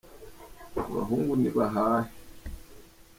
abahungu nibanhahe